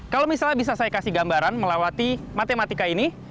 kalau misalnya bisa saya kasih gambaran melewati matematika ini